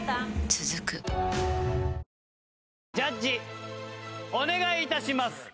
続くジャッジお願い致します！